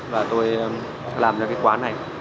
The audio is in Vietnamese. và tôi làm cho cái quán này